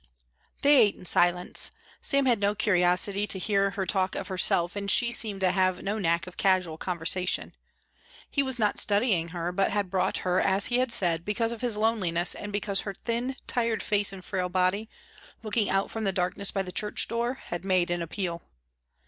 They ate in silence. Sam had no curiosity to hear her talk of herself, and she seemed to have no knack of casual conversation. He was not studying her, but had brought her as he had said, because of his loneliness, and because her thin, tired face and frail body, looking out from the darkness by the church door, had made an appeal.